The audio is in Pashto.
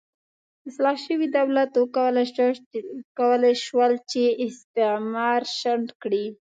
اصلاح شوي دولت وکولای شول چې استعمار شنډ کړي.